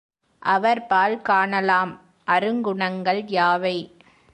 அவர்பால் காணலாம் அருங்குணங்கள் யாவை?